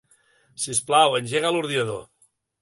Sisplau, engega l'ordinador.